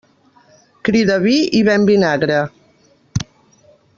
Crida vi i ven vinagre.